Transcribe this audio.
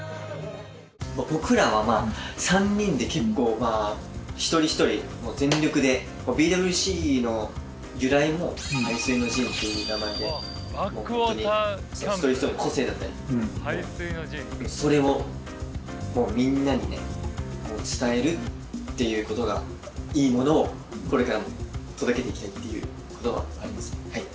僕らは３人で結構まあ一人一人全力でＢＷＣの由来も「背水の陣」という名前で一人一人の個性だったりそれをみんなに伝えるっていうことがいいものをこれからも届けていきたいっていうことはありますはい。